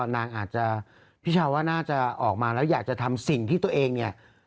นางอาจจะพี่ชาวว่าน่าจะออกมาแล้วอยากจะทำสิ่งที่ตัวเองเนี่ย